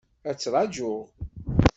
Ad ttraǧuɣ.